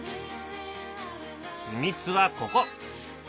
秘密はここ。